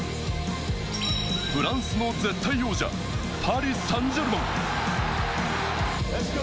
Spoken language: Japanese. フランスの絶対王者、パリ・サンジェルマン。